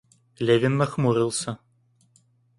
Левин нахмурился.